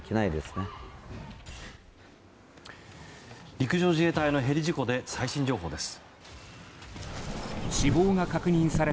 陸上自衛隊のヘリ事故で最新情報です。